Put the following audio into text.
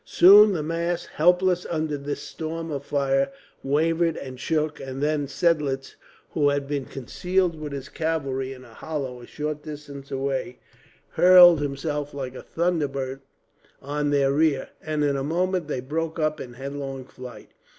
Soon the mass, helpless under this storm of fire, wavered and shook; and then Seidlitz, who had been concealed with his cavalry in a hollow a short distance away, hurled himself like a thunderbolt on their rear, and in a moment they broke up in headlong flight.